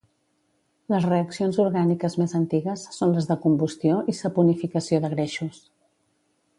Les reaccions orgàniques més antigues són les de combustió i saponificació de greixos.